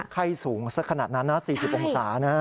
ไข้สูงสักขนาดนั้นนะ๔๐องศานะ